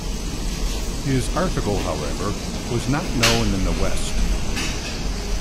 His article however, was not known in the West.